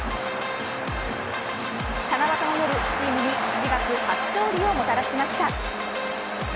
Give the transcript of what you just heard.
七夕の夜、チームに７月初勝利をもたらしました。